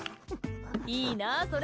いいなーそれ。